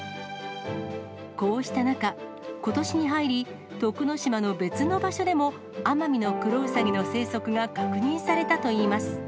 こうした中、ことしに入り、徳之島の別の場所でも、アマミノクロウサギの生息が確認されたといいます。